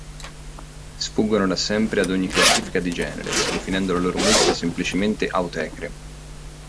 Sfuggono da sempre ad ogni classifica di genere, definendo la loro musica semplicemente "Autechre".